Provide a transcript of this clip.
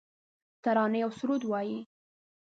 ترانې اوسرود وایې